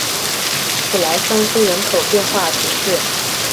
普莱桑斯人口变化图示